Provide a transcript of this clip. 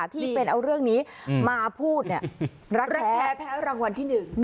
ที่เป็นเอาเรื่องนี้มาพูดรักแท้แพ้รางวัลที่๑